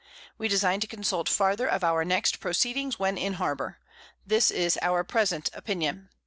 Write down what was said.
We design to consult farther of our next Proceedings, when in Harbour. This is our present Opinion.